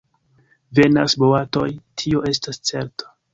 Venas boatoj, tio estas certa.